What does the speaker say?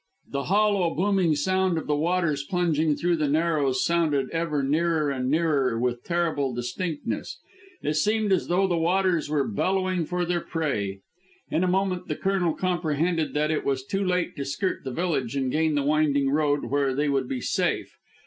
The hollow booming sound of the waters plunging through the narrows sounded ever nearer and nearer with terrible distinctness: it seemed as though the waters were bellowing for their prey. In a moment the Colonel comprehended that it was too late to skirt the village and gain the winding road, where they would be safe.